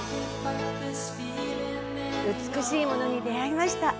美しいものに出会いました。